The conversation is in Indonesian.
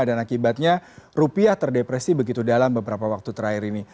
dan akibatnya rupiah terdepresi begitu dalam beberapa waktu terakhir ini